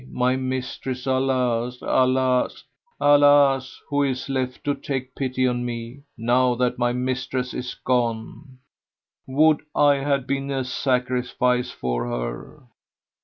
my mistress! Alas! Alas! Alas! who is left to take pity on me, now that my mistress is gone? Would I had been a sacrifice for her!"